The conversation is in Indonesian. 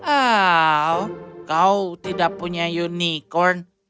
oh kau tidak punya unicorn